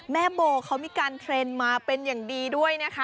แม่โบเขามีการเทรนด์มาเป็นอย่างดีด้วยนะคะ